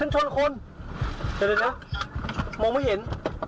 ชน